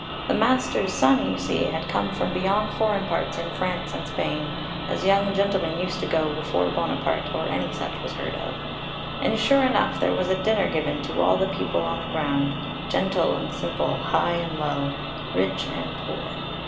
The master's son, you see, had come from beyond foreign parts in France and Spain, as young gentlemen used to go before Buonaparte or any such was heard of; and sure enough there was a dinner given to all the people on the ground, gentle and simple, high and low, rich and poor.